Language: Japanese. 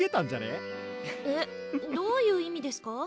えどういう意味ですか？